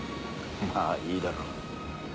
まぁいいだろう。